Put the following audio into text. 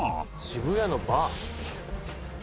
「渋谷のバー？」